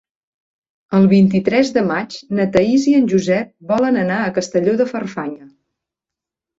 El vint-i-tres de maig na Thaís i en Josep volen anar a Castelló de Farfanya.